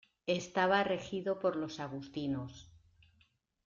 Estaba regido por los agustinos.